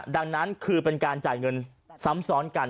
ดังนั้นคือเป็นการจ่ายเงินซ้ำซ้อนกัน